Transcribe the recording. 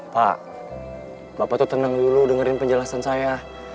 pak bapak tuh tenang dulu dengerin penjelasan saya